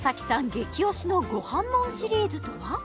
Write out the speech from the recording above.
激推しの「ごはんもん」シリーズとは？